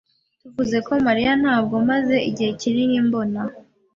Tuvuze kuri Mariya, ntabwo maze igihe kinini mbona.